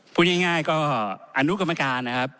พูดง่ายก็อนุกรรมการนะครับ